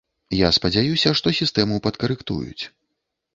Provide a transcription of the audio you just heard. Я спадзяюся, што сістэму падкарэктуюць.